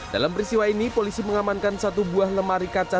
dalam peristiwa ini polisi mengamankan satu buah lemari kaca